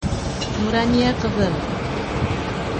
Нурания ҡыҙым!